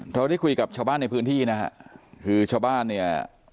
เราได้คุยกับชาวบ้านในพื้นที่นะฮะคือชาวบ้านเนี่ย